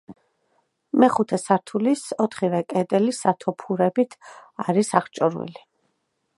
მეხუთე სართულის ოთხივე კედელი სათოფურებით არის აღჭურვილი.